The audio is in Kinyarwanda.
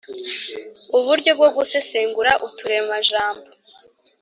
uburyo bwo gusesengura uturemajambo